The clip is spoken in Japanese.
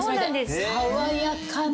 爽やかな。